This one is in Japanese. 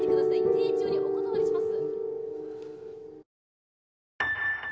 丁重にお断りします。